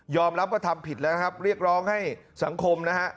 รับว่าทำผิดแล้วนะครับเรียกร้องให้สังคมนะฮะ